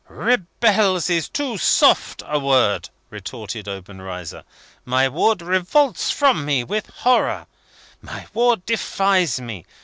"Rebels is too soft a word," retorted Obenreizer. "My ward revolts from me with horror. My ward defies me.